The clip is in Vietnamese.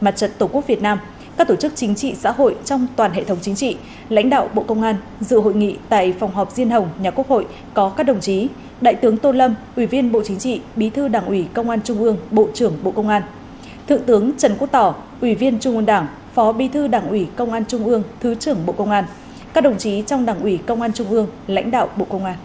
mặt trận tổ quốc việt nam các tổ chức chính trị xã hội trong toàn hệ thống chính trị lãnh đạo bộ công an dự hội nghị tại phòng họp diên hồng nhà quốc hội có các đồng chí đại tướng tôn lâm ủy viên bộ chính trị bí thư đảng ủy công an trung ương bộ trưởng bộ công an thượng tướng trần quốc tỏ ủy viên trung ương đảng phó bí thư đảng ủy công an trung ương thứ trưởng bộ công an các đồng chí trong đảng ủy công an trung ương lãnh đạo bộ công an